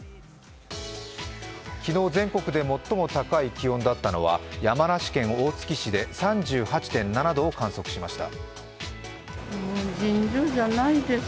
昨日、全国で最も高い気温だったのは山梨県大月市で３８．７度を観測しました。